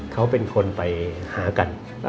เขาเป็นคนไปหากัน